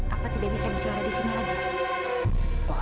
apa tidak bisa bicara di sini saja